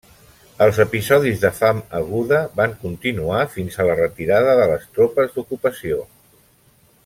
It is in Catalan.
Els episodis de fam aguda van continuar fins a la retirada de les tropes d'ocupació.